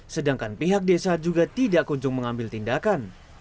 sedangkan pihak desa juga tidak kunjung mengambil tindakan